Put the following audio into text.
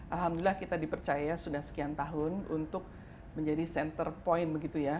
alhamdulillah kita dipercaya sudah sekian tahun untuk menjadi center point begitu ya